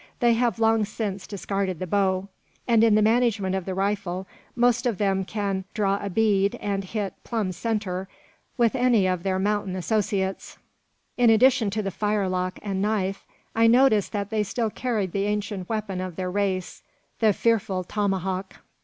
They have long since discarded the bow; and in the management of the rifle most of them can "draw a bead" and hit "plumb centre" with any of their mountain associates. In addition to the firelock and knife, I noticed that they still carried the ancient weapon of their race, the fearful tomahawk.